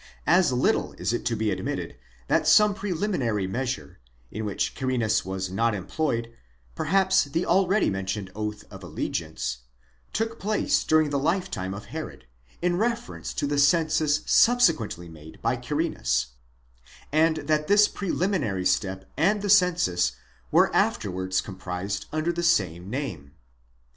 As little is it to be admitted that some preliminary measure, in which Quirinus was not employed, perhaps the already mentioned oath of allegiance, took place during the lifetime of Herod, in reference to: the census subsequently made by Quirinus ; and that this preliminary step and the census were afterwards comprised under the same name.